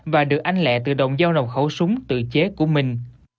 và được anh lẹ tự động giao nộp khẩu súng tự chế của mình